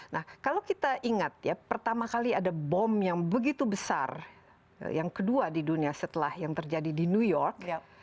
nah kalau kita ingat ya pertama kali ada bom yang begitu besar yang kedua di dunia setelah yang terjadi di new york